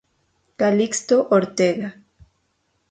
Calixto Ortega